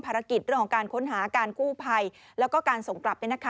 เรื่องของการค้นหาการกู้ภัยแล้วก็การส่งกลับ